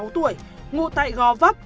hai mươi sáu tuổi ngụ tại go vấp